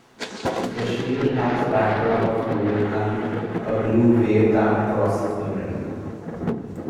The shield has background of gold and a blue wave that crosses the middle.